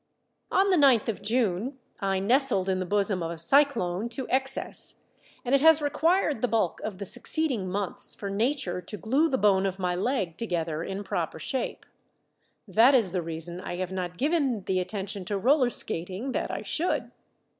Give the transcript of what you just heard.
On the 9th of June I nestled in the bosom of a cyclone to excess, and it has required the bulk of the succeeding months for nature to glue the bone of my leg together in proper shape. That is the reason I have not given the attention to roller skating that I should.